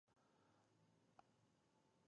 د خیبر پښتونخوا په اسامبلۍ کې